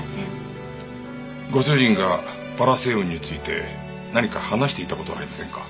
ご主人がバラ星雲について何か話していた事はありませんか？